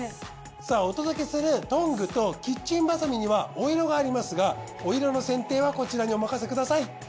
さあお届けするトングとキッチンバサミにはお色がありますがお色の選定はこちらにお任せください。